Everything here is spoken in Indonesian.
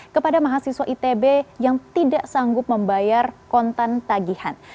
kepada mahasiswa itb yang tidak sanggup membayar kontan tagihan